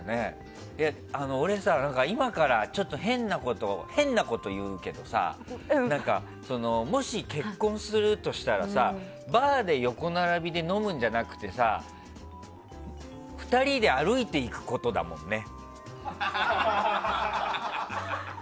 俺さ、今からちょっと変なことを言うけどさもし、結婚するとしたらバーで横並びで飲むんじゃなくて２人で歩いていくことだもんね。